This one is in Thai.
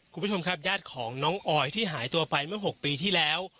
คุณผู้ชมครับญาติของน้องออยที่หายตัวไปเมื่อ๖ปีที่แล้ว